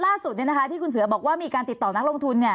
ล่าสุดที่คุณเสือบอกว่ามีการติดต่อนักลงทุน